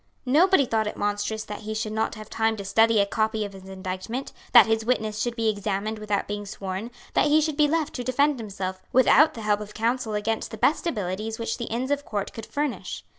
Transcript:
Nobody thought it monstrous that he should not have time to study a copy of his indictment, that his witnesses should be examined without being sworn, that he should be left to defend himself, without the help of counsel against the best abilities which the Inns of Court could furnish.